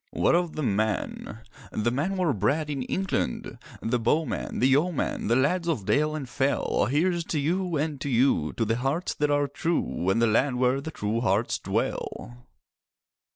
What of the men? The men were bred in England: The bowmen—the yeomen, The lads of dale and fell. Here's to you—and to you! To the hearts that are true And the land where the true hearts dwell.